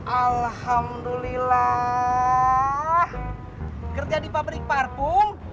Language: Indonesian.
alhamdulillah kerja di pabrik parpung